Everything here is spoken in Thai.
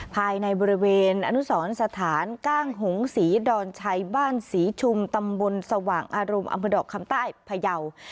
ภายในบริเวณอนุสรสถานก้างหงศรีดอนชัยบ้านศรีชุมตำบลสว่างอารมณ์อำเภอดอกคำใต้พยาว